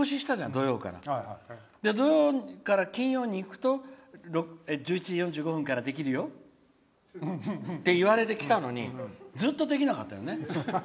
土曜から金曜に行くと１１時４５分からできるよって言われてきたのにずっとできなかったよね。